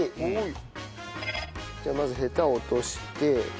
じゃあまずヘタ落として。